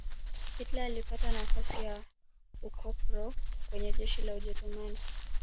hitler alipata nafasi ya ukopro kwenye jeshi la ujerumani